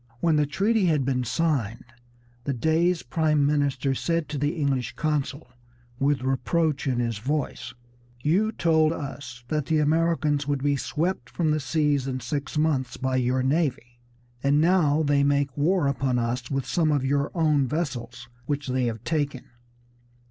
When the treaty had been signed the Dey's prime minister said to the English consul, with reproach in his voice, "You told us that the Americans would be swept from the seas in six months by your navy, and now they make war upon us with some of your own vessels which they have taken."